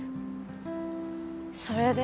それで。